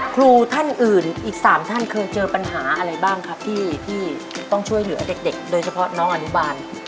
ครูท่านอื่นอีก๓ท่านเคยเจอปัญหาอะไรบ้างครับที่ต้องช่วยเหลือเด็กโดยเฉพาะน้องอนุบาล